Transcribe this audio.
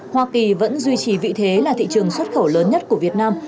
hoa kỳ vẫn duy trì vị thế là thị trường xuất khẩu lớn nhất của việt nam